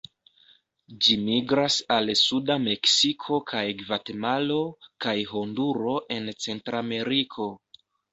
Ĝi migras al suda Meksiko kaj Gvatemalo kaj Honduro en Centrameriko.